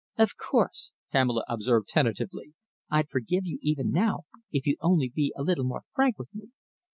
"Of course," Pamela observed tentatively, "I'd forgive you even now if you'd only be a little more frank with me."